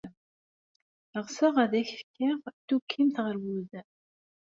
Ɣseɣ ad ak-fkeɣ tukkimt ɣer wudem.